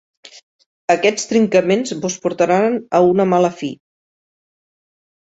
Aquests trincaments vos portaran a una mala fi.